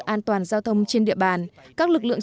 an toàn giao thông trên địa bàn các lực lượng